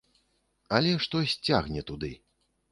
Але штось цягне туды!